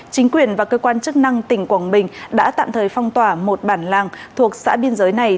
chính quyền và cơ quan chức năng tỉnh quảng bình đã tạm thời phong tỏa một bản làng thuộc xã biên giới này